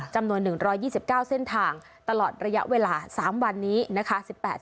จำนวน๑๒๙เส้นทางตลอดระยะเวลา๓วันนี้นะคะ